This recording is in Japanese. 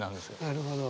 なるほど。